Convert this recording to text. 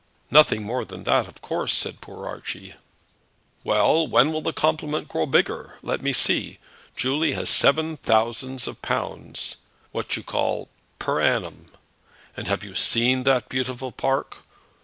"Nothing more than that, of course," said poor Archie. "Well; when will the compliment grow bigger? Let me see. Julie has seven thousands of pounds, what you call, per annum. And have you seen that beautiful park?